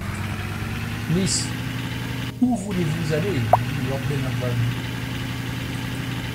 Miss, où voulez-vous aller? dit lord Glenarvan.